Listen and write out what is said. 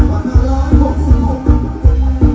เวลาที่สุดท้าย